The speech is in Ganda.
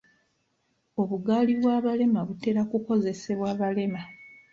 Obugaali bw'abalema butera kukozesebwa balema.